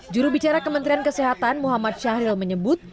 juru bicara kementerian kesehatan muhammad syahril menyebut